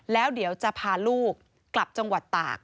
แล้วเดี๋ยวจะพาลูกกลับจังหวัดตาก